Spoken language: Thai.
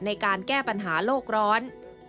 ในการแก้ปัญหาโลกร้อน